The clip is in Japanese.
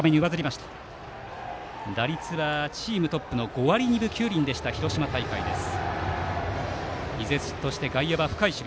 打率はチームトップの５割２分９厘、広島大会です。